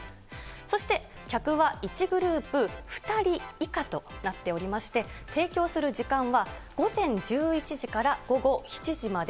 そして客は１グループ２人以下となっておりまして、提供する時間は午前１１時から午後７時まで。